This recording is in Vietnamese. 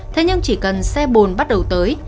thế nhưng chỉ cần xe bồn bắt đầu tới